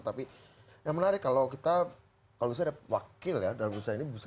tapi yang menarik kalau kita kalau misalnya wakil dalam urusan ini